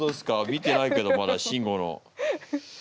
見てないけどまだシンゴの。